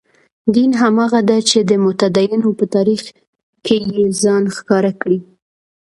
دین هماغه دی چې د متدینو په تاریخ کې یې ځان ښکاره کړی.